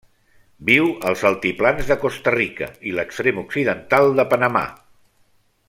Viu als altiplans de Costa Rica i l'extrem occidental de Panamà.